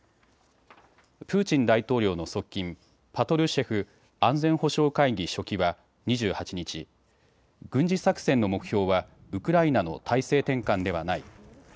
プーチン大統領の側近、パトルシェフ安全保障会議書記は２８日、軍事作戦の目標はウクライナの体制転換ではない。